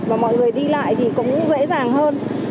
và mọi người đi lại thì cũng dễ dàng hơn